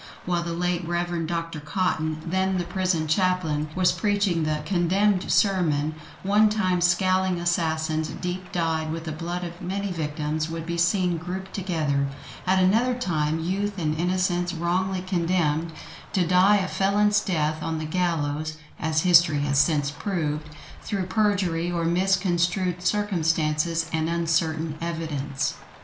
While the late Rev. Dr. Cotton, then the prison chaplain, was preaching the "condemned sermon" one time scowling assassins deep dyed with the blood of many victims would be seen grouped together; at another time youth and innocence, wrongfully condemned to die a felon's death on the gallows (as history has since proved), through perjury, or misconstrued circumstances and uncertain evidence.